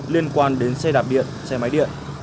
liên quan đến xe đạp điện xe máy điện